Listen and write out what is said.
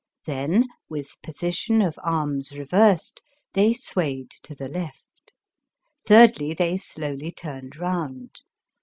Then, with position of arms reversed, they swayed to the left. Thirdly, they slowly turned round.